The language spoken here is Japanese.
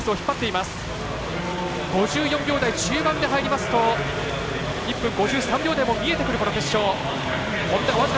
５４秒台中盤で入りますと１分５３秒台も見えてくる決勝。